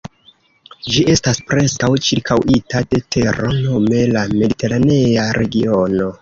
Ĝi estas preskaŭ ĉirkaŭita de tero, nome la Mediteranea regiono.